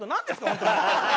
本当に。